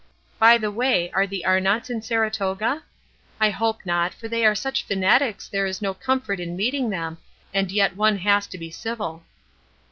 "By the way, are the Arnotts in Saratoga? I hope not, for they are such fanatics there is no comfort in meeting them, and yet one has to be civil.